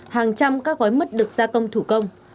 hàng trăm các gói mứt được gia công thủ công